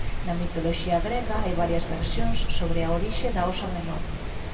Na mitoloxía grega hai varias versións sobre a orixe da Osa Menor.